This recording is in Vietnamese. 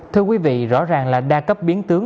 thưa quý vị rõ ràng là đa cấp biến tướng